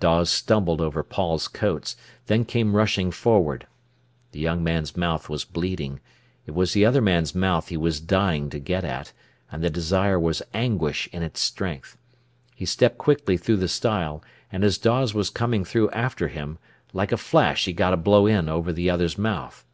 Dawes stumbled over Paul's coats, then came rushing forward. The young man's mouth was bleeding. It was the other man's mouth he was dying to get at, and the desire was anguish in its strength. He stepped quickly through the stile, and as Dawes was coming through after him, like a flash he got a blow in over the other's mouth.